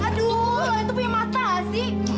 aduh itu punya mata sih